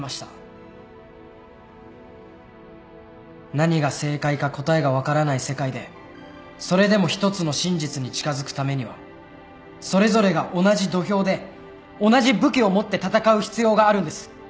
何が正解か答えが分からない世界でそれでも一つの真実に近づくためにはそれぞれが同じ土俵で同じ武器を持って戦う必要があるんです。